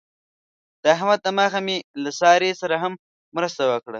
د احمد د مخه مې له سارې سره هم مرسته وکړله.